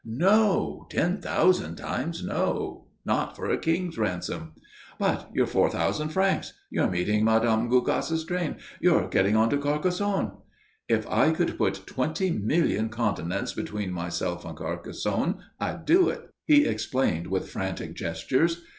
"No ten thousand times no; not for a king's ransom." "But your four thousand francs your meeting Mme. Gougasse's train your getting on to Carcassonne?" "If I could put twenty million continents between myself and Carcassonne I'd do it," he explained, with frantic gestures.